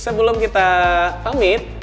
sebelum kita pamit